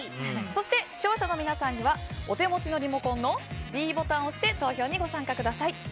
そして、視聴者の皆さんにはお手持ちのリモコンのｄボタンを押して投票にご参加ください。